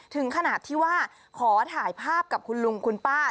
ถึงขนาดที่ว่าขอถ่ายภาพกับคุณลุงคุณป้า